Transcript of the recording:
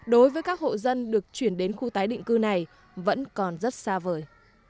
đối với các hộ dân được chuyển đến khu tái định cư này vẫn còn rất xa vời